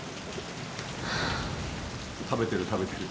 食べてる食べてる。